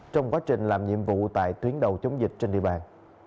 trong quá trình làm nhiệm vụ tại tuyến đầu chống dịch trên địa bàn